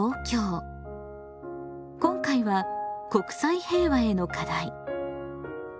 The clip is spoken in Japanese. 今回は「国際平和への課題」。